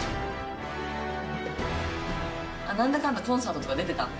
なんだかんだコンサートとか出てたんで。